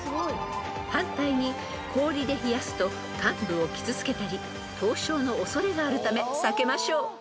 ［反対に氷で冷やすと患部を傷つけたり凍傷の恐れがあるため避けましょう］